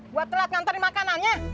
buat telat ngantar di makanannya